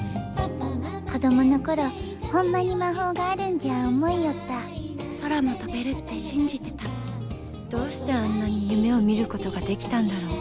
子供の頃ホンマに魔法があるんじゃ思いよった空も飛べるって信じてたどうしてあんなに夢をみることができたんだろう